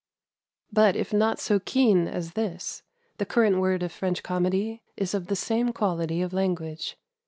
But if not so keen as this, the current word of French comedy is of the same quality of language.